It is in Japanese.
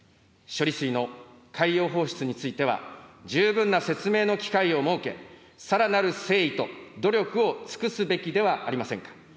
処理水の海洋放出については、十分な説明の機会を設け、さらなる誠意と努力を尽くすべきではありませんか。